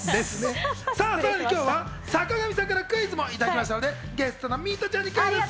今日は坂上さんからクイズもいただきましたので、そのミトちゃんにクイズッス！